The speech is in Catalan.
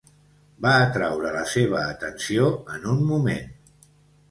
Va atraure la seva atenció en un moment.